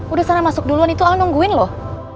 udah sana masuk duluan itu allah nungguin loh